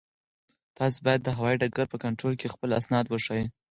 تاسو باید د هوایي ډګر په کنټرول کې خپل اسناد وښایئ.